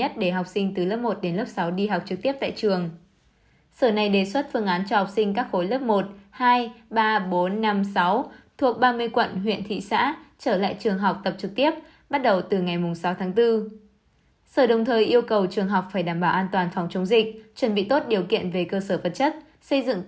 hãy học cùng con chơi cùng con và giúp con